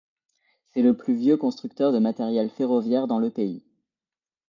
C'est le plus vieux constructeur de matériel ferroviaire dans le pays.